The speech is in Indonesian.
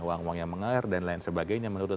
uang uang yang mengair dan lain sebagainya menurut